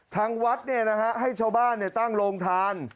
ทั้งวัดนี่นะฮะให้ชาวบ้านตั้งโลงทาน